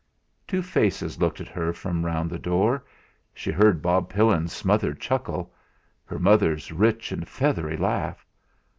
Two faces looked at her from round the door; she heard Bob Pillin's smothered chuckle; her mother's rich and feathery laugh.